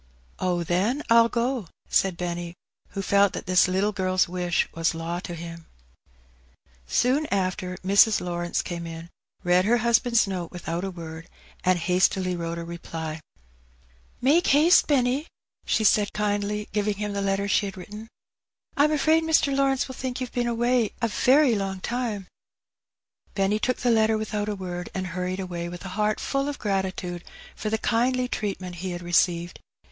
'^Oh, then, I'll go," said Benny, who felt that this little girl's wish was law to him. Soon after Mrs. Lawrence came in, read her husband's note without a word, and hastily wrote a reply. 154 Heb Benny. '^ Make haste^ Benny/' she said kindly^ giving him the letter she had written. '^ Vm afraid Mr. Lawrence will think youVe been away a very long time/' Benny took the letter without a word^ and hurried away with a heart fall of gratitude for the kindly treatment he had received.